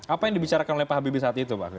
apa yang dibicarakan oleh pak habibie saat itu pak